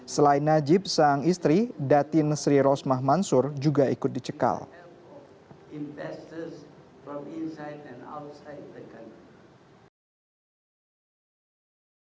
selain itu najib razak juga mencari penyelidikan skandal korupsi yang melibatkan najib